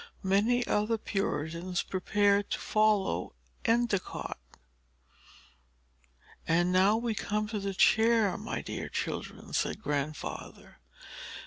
Many other Puritans prepared to follow Endicott. "And now we come to the chair, my dear children," said Grandfather.